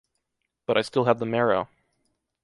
but I still have the marrow.